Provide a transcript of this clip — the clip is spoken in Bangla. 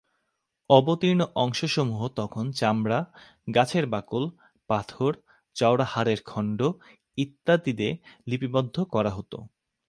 অবতীর্ণ অংশসমূহ তখন চামড়া, গাছের বাকল, পাথর, চওড়া হাড়ের খন্ড ইত্যাদিতে লিপিবদ্ধ করা হতো।